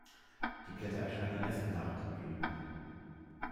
Die Blätter erscheinen erst nach den Blüten.